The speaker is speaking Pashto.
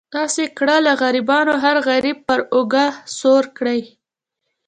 داسې کړه له غریبانو هر غریب پر اوږه سور کړي.